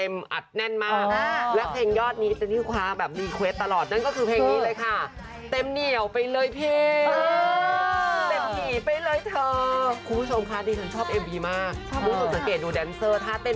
มีญาติเยอะกันไหนค่ะ